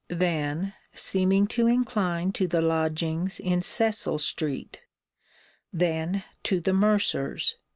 Then seeming to incline to the lodgings in Cecil street Then to the mercer's.